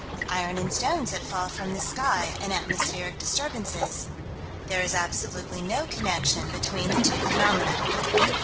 Iron and stones that fall from the sky; and atmospheric disturbances: "There is absolutely no connection between the two phenomena."